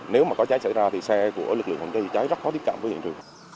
nếu mà có cháy xảy ra thì xe của lực lượng phòng cháy cháy rất khó tiếp cận với hiện trường